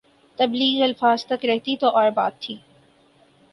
تبلیغ الفاظ تک رہتی تو اور بات تھی۔